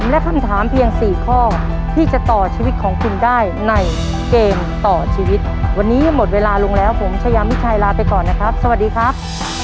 ลาไปก่อนนะครับสวัสดีครับ